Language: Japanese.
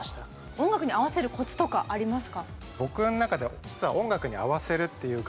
音楽に合わせるコツとかありますか？